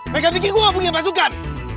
mereka pikir gue gak punya pasukan